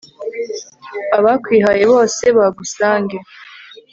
abakwihaye bose bagusange